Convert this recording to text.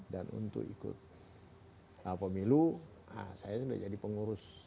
dan untuk ikut pemilu saya sudah jadi pengurus partai